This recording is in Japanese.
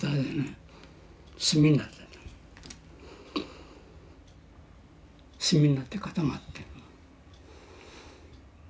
炭になって固まってる。